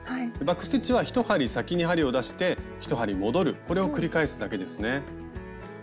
バック・ステッチは１針先に針を出して１針戻るこれを繰り返すだけですね。